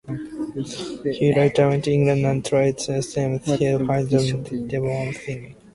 He later went to England and trained there for the higher demands of singing.